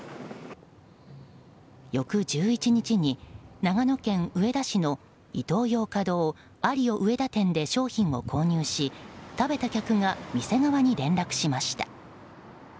翌１１日に、長野県上田市のイトーヨーカドーアリオ上田店で商品を購入し食べた客が店側に連絡しました。